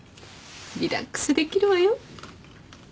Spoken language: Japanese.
リラックスできるわよ。